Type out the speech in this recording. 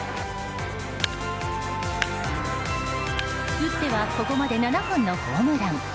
打ってはここまで７本のホームラン。